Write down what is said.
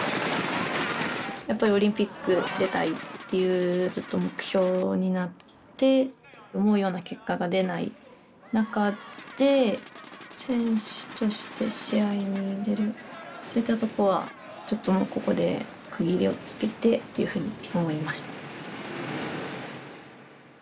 やっぱりオリンピック出たいっていうずっと目標になって思うような結果が出ない中で選手として試合に出るそういったとこはちょっともうここで区切りをつけてっていうふうに思いました。